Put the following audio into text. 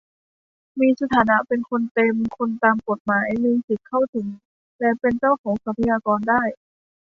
มีสถานะเป็นคนเต็มคนตามกฎหมาย มีสิทธิเข้าถึงและเป็นเจ้าของทรัพยากรได้